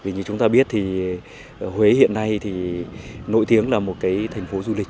như chúng ta biết huế hiện nay nổi tiếng là một thành phố du lịch